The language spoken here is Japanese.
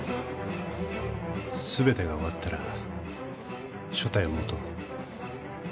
すべてが終わったら所帯を持とう。